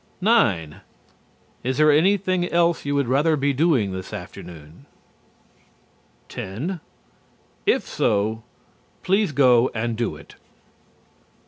9. Is there anything else you would rather be doing this afternoon? 10. If so, please go and do it.